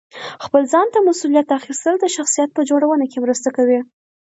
خپل ځان ته مسؤلیت اخیستل د شخصیت په جوړونه کې مرسته کوي.